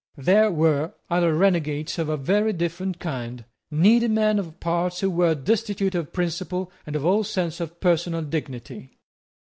There were other renegades of a very different kind, needy men of parts who were destitute of principle and of all sense of personal dignity.